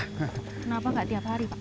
kenapa enggak tiap hari pak